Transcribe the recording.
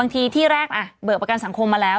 ทีที่แรกเบิกประกันสังคมมาแล้ว